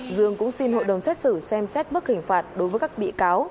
dương cũng xin hộ đồng xét xử xem xét bức hình phạt đối với các bệ cáo